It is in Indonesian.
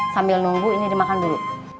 sambil nunggu ini dia makan dulu